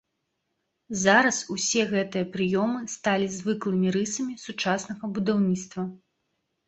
Зараз усе гэтыя прыёмы сталі звыклымі рысамі сучаснага будаўніцтва.